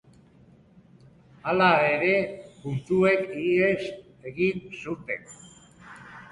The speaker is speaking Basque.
Hala ere, puntuek ihes egin zuten.